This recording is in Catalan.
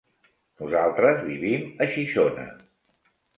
Nosaltres vivim a Xixona.